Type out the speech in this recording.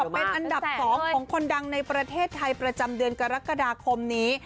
เป็นอันดับ๒ของคนดังในประเทศไทยประจำเดือนกรกฎาคมนี้